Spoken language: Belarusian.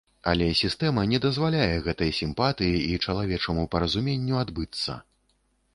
Але сістэма не дазваляе гэтай сімпатыі і чалавечаму паразуменню адбыцца.